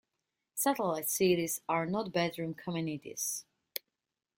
Satellite cities are not bedroom communities.